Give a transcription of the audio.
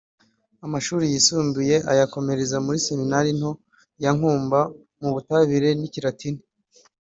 amashuri yisumbuye ayakomereza muri Seminari nto ya Nkumba mu Butabire n’Ikilatini